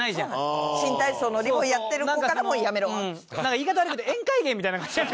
言い方悪いけど宴会芸みたいな感じ。